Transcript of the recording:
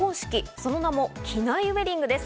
その名も機内ウエディングです